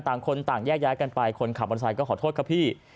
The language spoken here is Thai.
ต่างคนต่างแยกย้ายกันไปคนขับมอเตอร์ไซค์ก็ขอโทษครับพี่